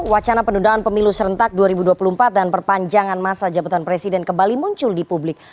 wacana penundaan pemilu serentak dua ribu dua puluh empat dan perpanjangan masa jabatan presiden kembali muncul di publik